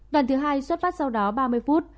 lần thứ hai xuất phát sau đó ba mươi phút